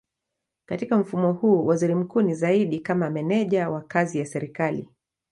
Katika mfumo huu waziri mkuu ni zaidi kama meneja wa kazi ya serikali.